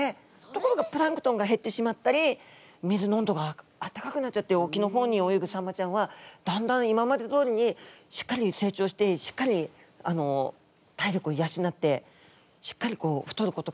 ところがプランクトンが減ってしまったり水の温度があったかくなっちゃって沖の方に泳ぐサンマちゃんはだんだん今までどおりにしっかり成長してしっかり体力を養ってしっかりこう太ることがむずかしくなってるみたい。